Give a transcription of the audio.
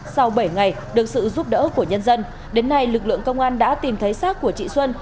sau bảy ngày được sự giúp đỡ của nhân dân đến nay lực lượng công an đã tìm thấy xác của chị xuân